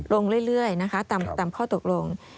ลงเรื่อยนะคะตามข้อตกลง